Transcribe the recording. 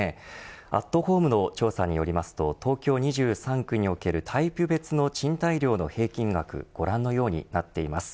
アットホームの調査によりますと東京２３区におけるタイプ別の賃貸料の平均額ご覧のようになっています。